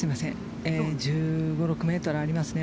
１５１６ｍまだありますね。